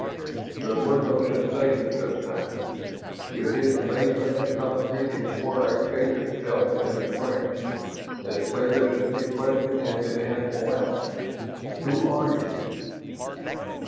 There were no sensations this time. To his amazement a concrete inquiry shaped itself in his brain, as clear as if the question had been asked aloud: "Who are you?"